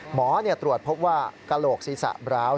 หมอตรวจพบว่ากระโหลกศีรษะบร้าว